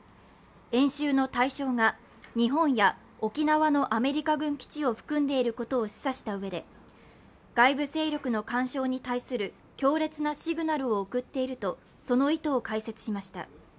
演習の対象が日本や沖縄のアメリカ軍基地を含んでいることを示唆したうえで外部勢力の干渉に対する強烈なシグナルを送っているとその意図を解説しました。